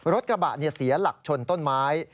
รถกระบะเสียหลักชนต้นไม้